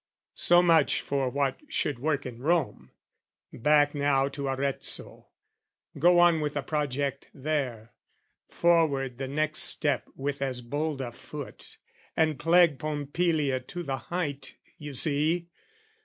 So much for what should work in Rome, back now To Arezzo, go on with the project there, Forward the next step with as bold a foot, And plague Pompilia to the height, you see!